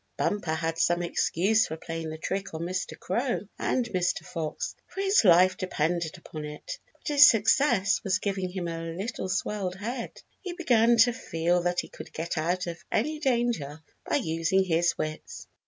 Bumper had some excuse for playing the trick on Mr. Crow and Mr. Fox, for his life depended upon it; but his success was giving him a little swelled head. He began to feel that he could get out of any danger by using his wits.